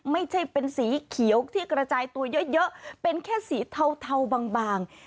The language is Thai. ไม่ใช่เป็นสีเขียวที่กระจายตัวเยอะเป็นแค่สีเทาบาง